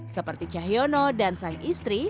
seperti cahyono dan sang istri